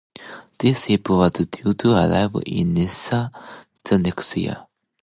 The ship was due to arrive in Nassau the next day.